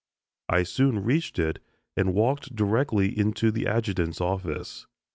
I soon reached it, and walked directly into the adjutant's office.